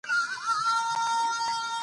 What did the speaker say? یوازې په ویلو کې یې توپیر کیږي.